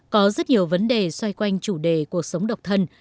có rất nhiều vấn đề xoay quanh chủ đề cuộc sống độc thân